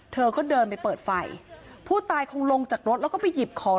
เธอก็เดินไปเปิดไฟผู้ตายคงลงจากรถแล้วก็ไปหยิบของ